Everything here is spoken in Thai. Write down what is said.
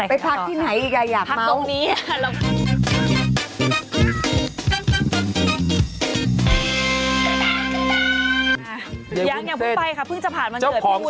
อย่างนี้ผู้ไปคะเพิ่งจะผ่านวันเกิดพี่วุ้นค่ะ